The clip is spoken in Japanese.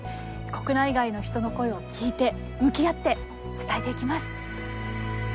国内外の人の声を聞いて向き合って伝えていきます。